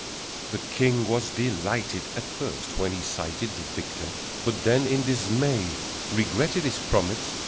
_] The king was delighted At first when he sighted The victor, but then in dismay Regretted his promise.